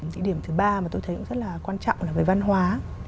địa điểm thứ ba mà tôi thấy cũng rất là quan trọng là về văn hóa